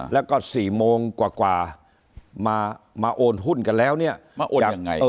แล้วก็๔โมงกว่ามาโอนหุ้นกันแล้วเนี่ยมาโอนยังไง